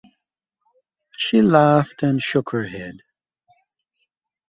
She laughed and shook her head.